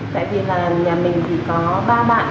tại vì là nhà mình thì có ba bạn